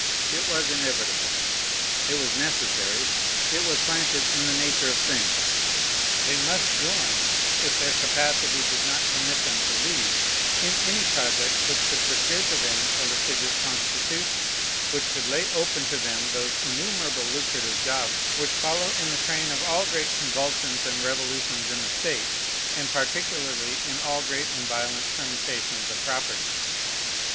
It was inevitable; it was necessary; it was planted in the nature of things. They must join (if their capacity did not permit them to lead) in any project which could procure to them a litigious constitution, which could lay open to them those innumerable lucrative jobs which follow in the train of all great convulsions and revolutions in the state, and particularly in all great and violent permutations of property.